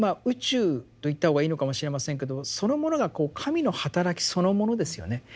宇宙と言った方がいいのかもしれませんけどそのものがこう「神の働き」そのものですよね。